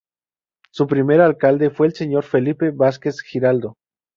Su primer Alcalde fue el Señor Felipe Vásquez Giraldo.